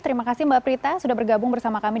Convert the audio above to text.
terima kasih mbak prita sudah bergabung bersama kami